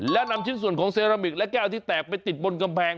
และนำชิ้นส่วนของเซรามิกและแก้วที่แตกไปติดบนกำแพง